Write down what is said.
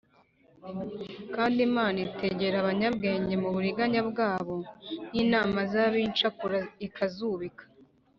kandi imana itegera abanyabwenge mu buriganya bwabo, n’inama z’ab’incakura ikazubika